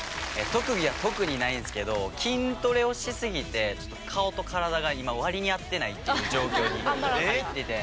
特技は特にないんですけど筋トレをしすぎてちょっと顔と体が今割に合ってないっていう状況に入ってて。